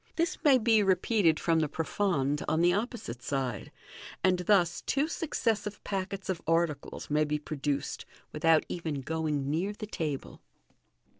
This may be repeated from the profonde on the oppositt MODERN M AGTC. 309 side ; and thus two successive packets of articles may be produced without even going near the table.